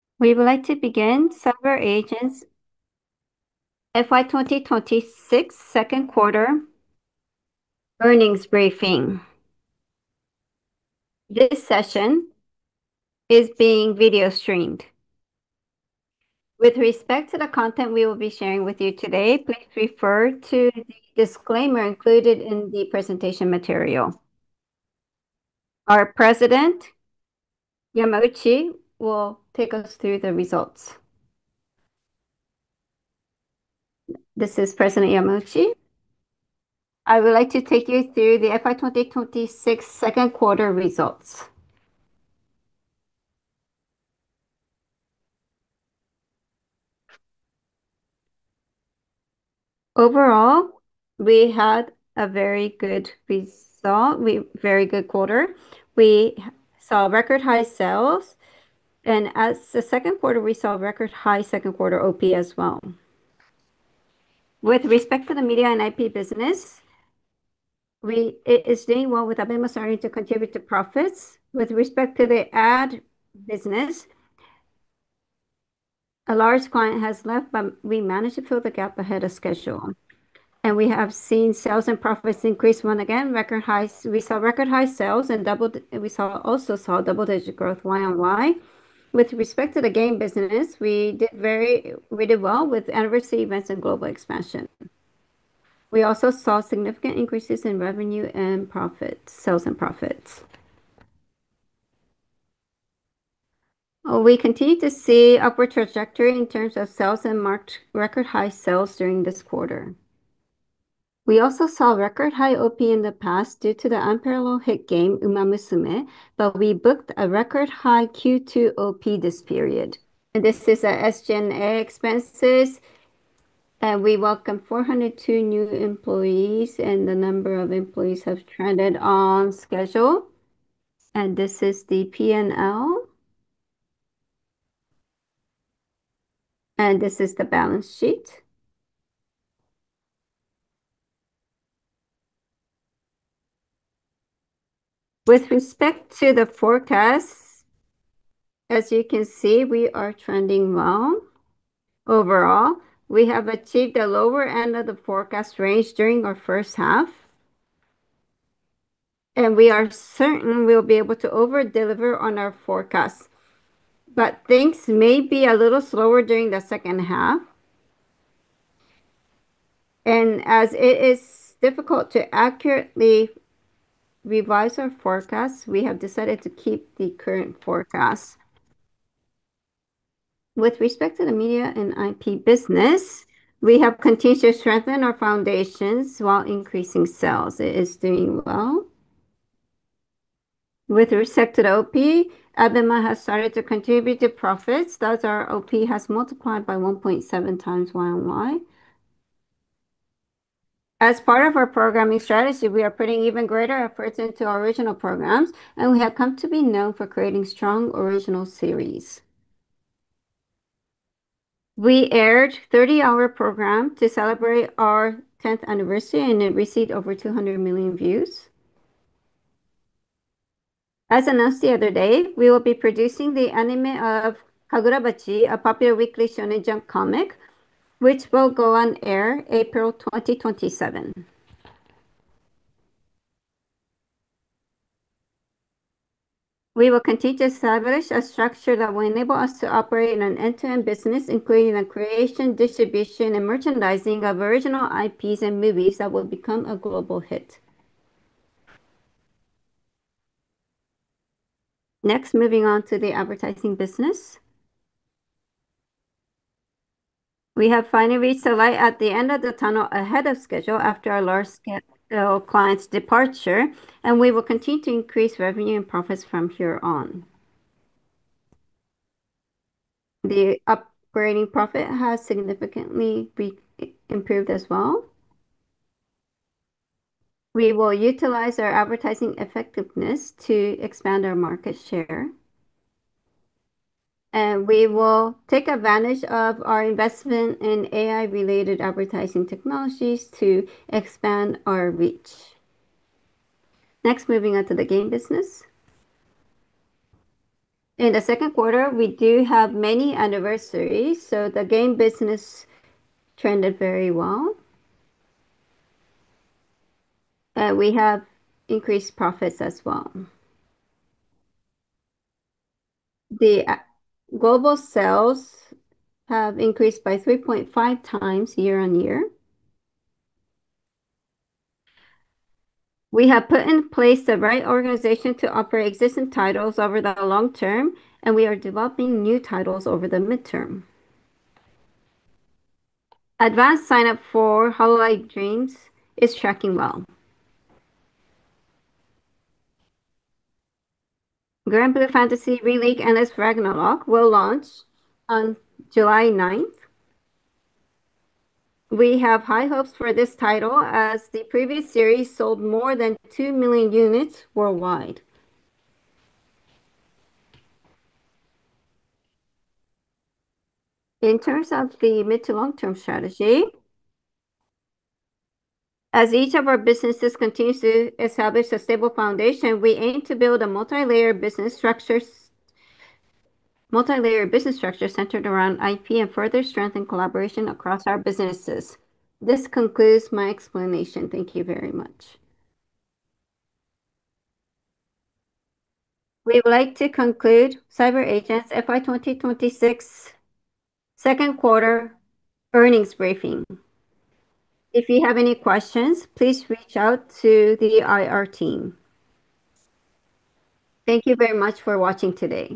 We would like to begin CyberAgent's FY2026 second quarter earnings briefing. This session is being video streamed. With respect to the content we will be sharing with you today, please refer to the disclaimer included in the presentation material. Our President, Yamauchi, will take us through the results. This is President Yamauchi. I would like to take you through the FY2026 second quarter results. Overall, we had a very good result. Very good quarter. We saw record high sales, and as the second quarter, we saw record high second quarter OP as well. With respect to the media and IP business, it is doing well, with ABEMA starting to contribute to profits. With respect to the ad business, a large client has left, but we managed to fill the gap ahead of schedule, and we have seen sales and profits increase once again. Record highs. We saw record high sales and double-digit growth YoY. With respect to the game business, we did well with anniversary events and global expansion. We also saw significant increases in revenue and profit, sales and profits. We continue to see upward trajectory in terms of sales and marked record high sales during this quarter. We also saw record high OP in the past due to the unparalleled hit game, Umamusume, but we booked a record high Q2 OP this period. This is our SG&A expenses. We welcome 402 new employees, and the number of employees have trended on schedule. This is the P&L. This is the balance sheet. With respect to the forecast, as you can see, we are trending well. Overall, we have achieved the lower end of the forecast range during our first half, and we are certain we'll be able to over-deliver on our forecast. Things may be a little slower during the second half. As it is difficult to accurately revise our forecast, we have decided to keep the current forecast. With respect to the media and IP business, we have continued to strengthen our foundations while increasing sales. It is doing well. With respect to the OP, ABEMA has started to contribute to profits, thus our OP has multiplied by 1.7x YoY. As part of our programming strategy, we are putting even greater efforts into our original programs, and we have come to be known for creating strong original series. We aired 30-hour program to celebrate our 10th anniversary, and it received over 200 million views. As announced the other day, we will be producing the anime of Kagurabachi, a popular Weekly Shōnen Jump comic, which will go on air April 2027. We will continue to establish a structure that will enable us to operate in an end-to-end business, including the creation, distribution, and merchandising of original IPs and movies that will become a global hit. Moving on to the advertising business. We have finally reached the light at the end of the tunnel ahead of schedule after our large-scale client's departure, and we will continue to increase revenue and profits from here on. The operating profit has significantly improved as well. We will utilize our advertising effectiveness to expand our market share. We will take advantage of our investment in AI-related advertising technologies to expand our reach. Moving on to the game business. In the second quarter, we do have many anniversaries, so the game business trended very well. We have increased profits as well. The global sales have increased by 3.5x year-on-year. We have put in place the right organization to operate existing titles over the long term, and we are developing new titles over the midterm. Advance sign-up for Maidens of a Hollow Dream is tracking well. Granblue Fantasy: Relink - Endless Ragnarok will launch on July 9th. We have high hopes for this title as the previous series sold more than two million units worldwide. In terms of the mid to long-term strategy, as each of our businesses continues to establish a stable foundation, we aim to build a multilayer business structure centered around IP and further strengthen collaboration across our businesses. This concludes my explanation. Thank you very much. We would like to conclude CyberAgent's FY2026 second quarter earnings briefing. If you have any questions, please reach out to the IR team. Thank you very much for watching today.